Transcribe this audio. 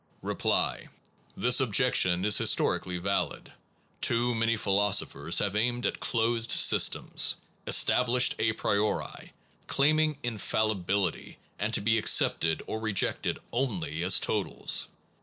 Reply. This objection is historically valid. Too many philosophers have aimed at closed Phiioso systems, established a priori, claim nofbe* 6 m infallibility, and to be accepted dogmatic or re j ecte( j on i y as totals.